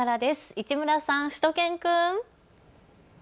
市村さん、しゅと犬くん。